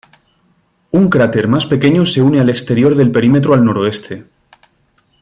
Un cráter más pequeño se une al exterior del perímetro al noroeste.